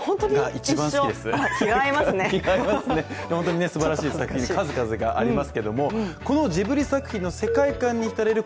本当にすばらしい作品、数々がありますけどもこのジブリ作品の世界観にひたれる